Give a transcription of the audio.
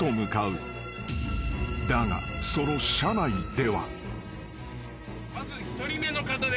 ［だがその車内では］